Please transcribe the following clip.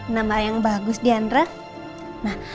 nama yang bagus diandra